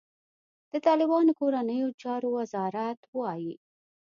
د طالبانو کورنیو چارو وزارت وايي،